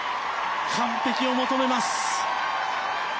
完璧を求めます。